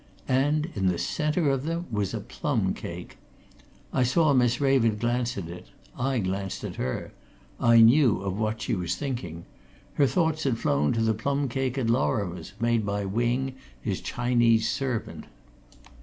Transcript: And in the centre of them was a plum cake. I saw Miss Raven glance at it; I glanced at her; I knew of what she was thinking. Her thoughts had flown to the plum cake at Lorrimore's, made by Wing, his Chinese servant.